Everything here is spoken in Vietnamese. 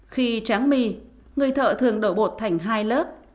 khi tráng mì người thợ thường đổi bột thành hai lớp